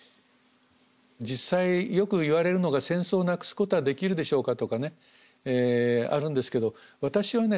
実際よく言われるのが戦争をなくすことはできるでしょうかとかねあるんですけど私はね